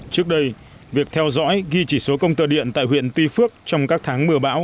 trước đây việc theo dõi ghi chỉ số công tơ điện tại huyện tuy phước trong các tháng mưa bão